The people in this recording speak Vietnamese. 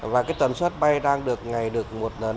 và tuần suất bay đang được ngày được nâng lên